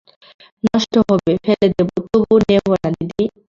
নষ্ট হবে, ফেলে দেব, তবু নেবে না দিদি?